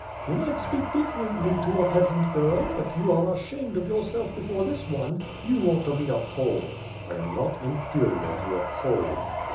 "You might speak differently to a peasant girl, but you are ashamed of yourself before this one. You ought to be a Pole." "I am not inferior to a Pole."